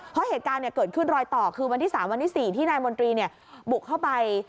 เพราะเหตุการณ์เนี่ยเกิดขึ้นรอยต่อคือวันที่สามวันที่สี่ที่นายมนตรีเนี่ยบุกเข้าไป